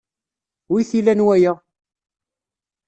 Wi t-ilan waya?